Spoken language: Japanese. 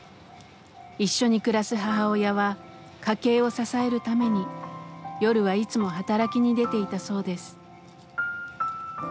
一緒に暮らす母親は家計を支えるために夜はいつも働きに出ていたそうです。